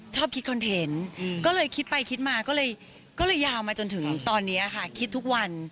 ชอบคิดคอนเทนต์ก็เลยคิดไปคิดมาก็เลยยาวมาจนถึงตอนนี้ค่ะคิดทุกวัน